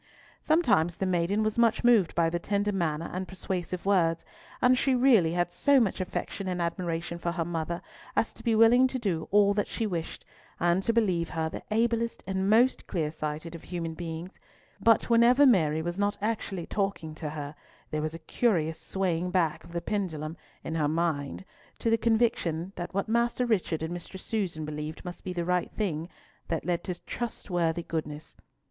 Sometimes the maiden was much moved by the tender manner and persuasive words, and she really had so much affection and admiration for her mother as to be willing to do all that she wished, and to believe her the ablest and most clear sighted of human beings; but whenever Mary was not actually talking to her, there was a curious swaying back of the pendulum in her mind to the conviction that what Master Richard and Mistress Susan believed must be the right thing, that led to trustworthy goodness.